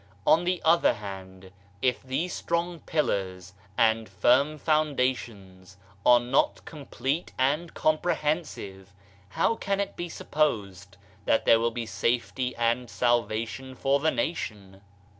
On the other hand, if these strong pillars and firm foundations are not complete and comprehensive, how can it be supposed that there will be safety and salva tion for the nation?